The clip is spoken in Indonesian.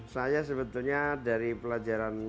saya sebetulnya dari pelajaran